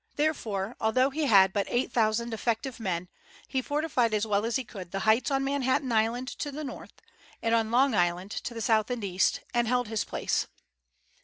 Therefore, although he had but eight thousand effective men, he fortified as well as he could the heights on Manhattan Island, to the north, and on Long Island, to the south and east, and held his place.